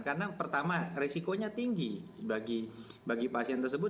karena pertama risikonya tinggi bagi pasien tersebut